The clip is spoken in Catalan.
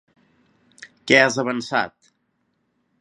Què has avançat?